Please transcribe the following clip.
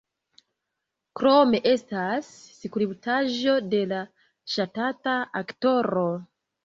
Krome estas skulptaĵo de la ŝatata aktoro.